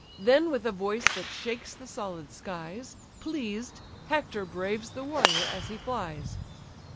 Then with a voice that shakes the solid skies, Pleased, Hector braves the warrior as he flies.